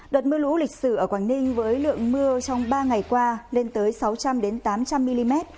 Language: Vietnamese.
đợt mưa lũ lịch sử ở quảng ninh với lượng mưa trong ba ngày qua lên tới sáu trăm linh tám trăm linh mm